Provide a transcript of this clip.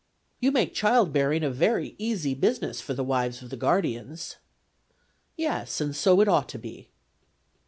' You make child bearing a very easy business for the wives of the guardians.' ' Yes, and so it ought to be.'